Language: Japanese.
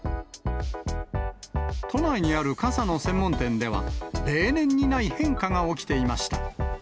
都内にある傘の専門店では、例年にない変化が起きていました。